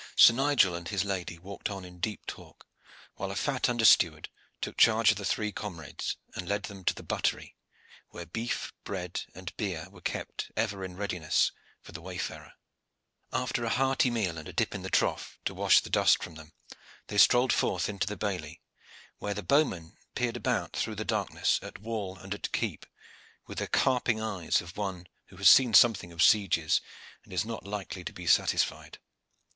Sir Nigel and his lady walked on in deep talk, while a fat under steward took charge of the three comrades, and led them to the buttery, where beef, bread, and beer were kept ever in readiness for the wayfarer. After a hearty meal and a dip in the trough to wash the dust from them, they strolled forth into the bailey, where the bowman peered about through the darkness at wall and at keep, with the carping eyes of one who has seen something of sieges, and is not likely to be satisfied.